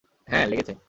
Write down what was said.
হ্যাঁ, লেগেছে!